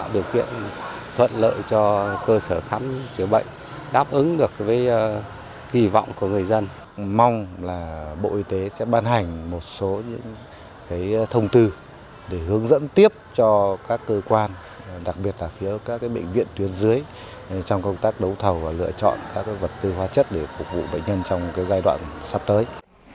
để hướng dẫn tiếp cho các cơ quan đặc biệt là phía các bệnh viện tuyên dưới trong công tác đấu thầu và lựa chọn các vật tư hóa chất để phục vụ bệnh nhân trong giai đoạn sắp tới